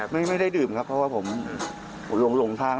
ไม่ได้ดื่มครับเพราะว่าผมลงข้าง